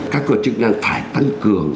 các cơ chức đang phải tăng cường